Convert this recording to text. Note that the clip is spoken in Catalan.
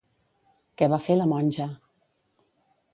Què va fer la monja?